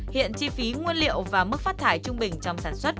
hiện chi phí nguyên liệu và mức phát thải trung bình trong sản xuất